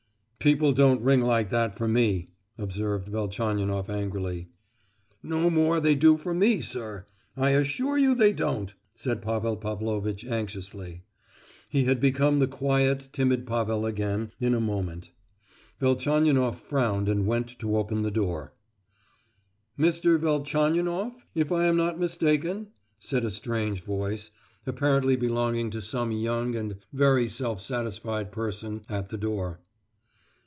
"People don't ring like that for me, observed Velchaninoff angrily." "No more they do for me, sir! I assure you they don't!" said Pavel Pavlovitch anxiously. He had become the quiet timid Pavel again in a moment. Velchaninoff frowned and went to open the door. "Mr. Velchaninoff, if I am not mistaken?" said a strange voice, apparently belonging to some young and very self satisfied person, at the door.